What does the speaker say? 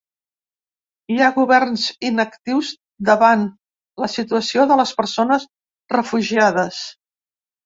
Hi ha governs inactius davant la situació de les persones refugiades.